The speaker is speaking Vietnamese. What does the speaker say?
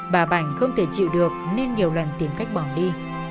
bà bảnh không thể chịu được nên nhiều lần tìm cách bỏ đi